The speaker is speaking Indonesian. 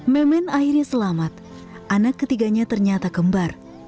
memen akhirnya selamat anak ketiganya ternyata kembar